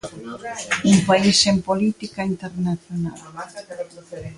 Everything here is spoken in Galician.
'Un país sen política internacional'.